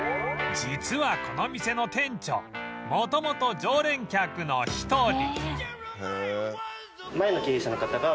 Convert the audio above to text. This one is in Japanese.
実はこの店の店長元々常連客の１人